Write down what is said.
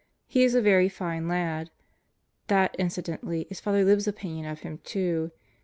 He is a very fine lad. That, inci dentally is Father Libs's opinion of him, too.